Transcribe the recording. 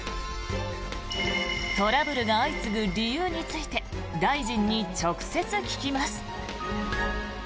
トラブルが相次ぐ理由について大臣に直接聞きます。